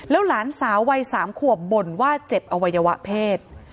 หลานสาววัย๓ขวบบ่นว่าเจ็บอวัยวะเพศ